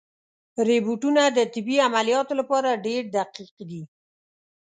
روبوټونه د طبي عملیاتو لپاره ډېر دقیق دي.